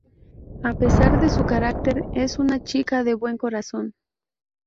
A pesar de su carácter, es una chica de buen corazón.